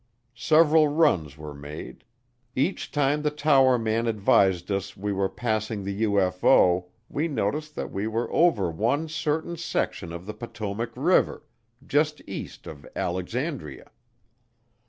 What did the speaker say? Several runs were made; each time the tower man advised us we were passing the UFO we noticed that we were over one certain section of the Potomac River, just east of Alexandria.